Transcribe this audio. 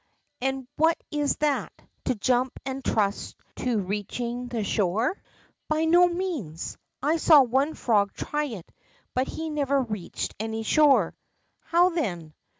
^ And what is that, to jump and trust to reach ing the shore ?'^ By no means ; I saw one frog try it, but he never reached any shore.' ' How then